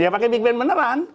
ya pakai big band beneran